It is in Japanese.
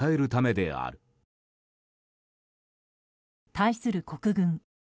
対する国軍。